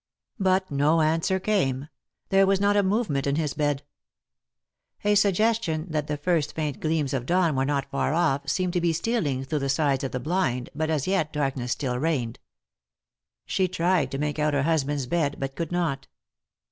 But no answer came ; there was not a movement in his bed. A suggestion that the first faint gleams of dawn were not for oft seemed to be stealing through the sides of the blind, but as yet darkness still reigned. She tried to make out her husband's bed, but could not.